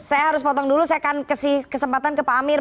saya harus potong dulu saya akan kasih kesempatan ke pak amir